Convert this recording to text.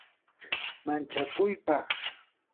manchakuypaq